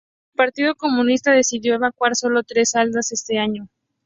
El partido comunista decidió evacuar sólo tres aldeas ese año.